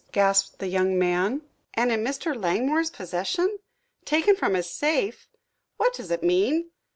gasped the young man. "And in Mr. Langmore's possession! Taken from his safe! What does it mean?"